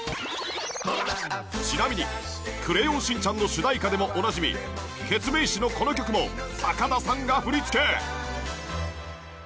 ちなみに『クレヨンしんちゃん』の主題歌でもおなじみケツメイシのこの曲も高田さんが振り付け